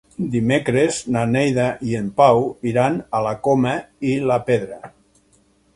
Dimecres na Neida i en Pau iran a la Coma i la Pedra.